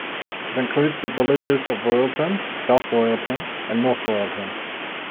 It includes the villages of Royalton, South Royalton, and North Royalton.